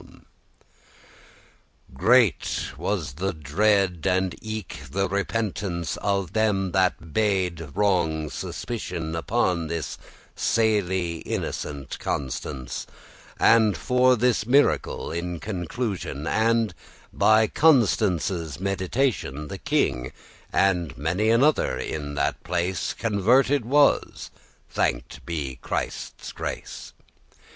*vengeance Great was the dread and eke the repentance Of them that hadde wrong suspicion Upon this sely* innocent Constance; *simple, harmless And for this miracle, in conclusion, And by Constance's mediation, The king, and many another in that place, Converted was, thanked be Christe's grace!